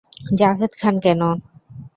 জাভেদ খান কেন?